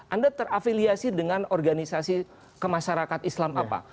anda terafiliasi dengan organisasi kemasyarakat islam apa